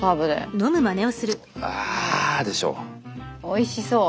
おいしそう！